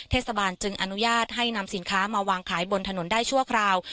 เทศบาลจึงอนุญาตให้นำสินค้ามาวางขายบนถนนได้ชั่วคราว